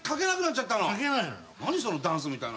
何そのダンスみたいなの。